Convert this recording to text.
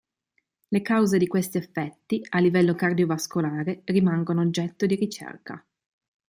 Le cause di questi effetti a livello cardiovascolare rimangono oggetto di ricerca.